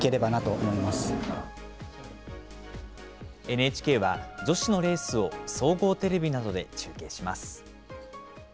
ＮＨＫは女子のレースを総合テレビなどで中継します。